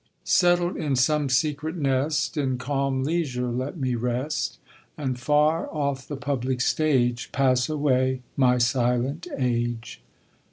Settled in some secret nest, In calm leisure let me rest ; And far off the public stage, Pass aAvay my silent age.